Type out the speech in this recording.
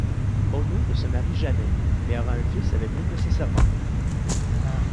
Ono ne se marie jamais, mais aura un fils avec l'une de ses servantes.